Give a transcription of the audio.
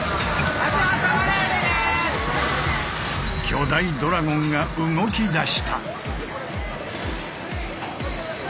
巨大ドラゴンが動きだした。